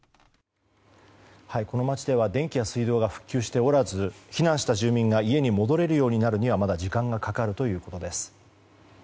この街では電気や水道が復旧しておらず避難した住民が家に戻れるようになるまではまだ時間がかかるということです。